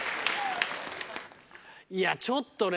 いやちょっとね